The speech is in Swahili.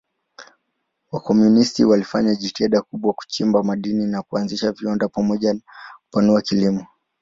Wakomunisti walifanya jitihada kubwa kuchimba madini na kuanzisha viwanda pamoja na kupanua kilimo.